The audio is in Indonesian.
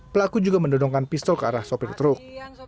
pelaku juga mendodongkan pistol ke arah sopir truk